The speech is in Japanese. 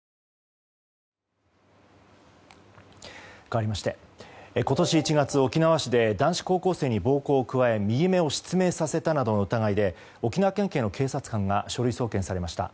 かわりまして今年１月、沖縄市で男子高校生に暴行を加え右目を失明させたなどの疑いで沖縄県警の警察官が書類送検されました。